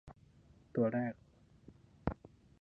ตัวแรก